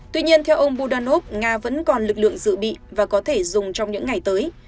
tuy nhiên theo ông burdanov nga vẫn còn lực lượng dự bị và có thể dùng trong những ngày tới